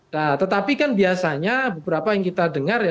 nah tetapi kan biasanya beberapa yang kita dengar ya